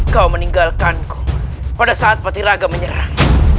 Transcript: kau meninggalkanku pada saat petiraga menyerang